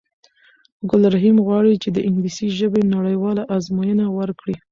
ګل رحیم غواړی چې د انګلیسی ژبی نړېواله آزموینه ورکړی